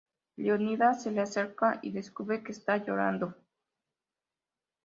Leonidas se le acerca y descubre que está llorando.